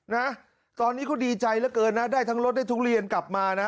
นะตอนนี้เขาดีใจเหลือเกินนะได้ทั้งรถได้ทุเรียนกลับมานะ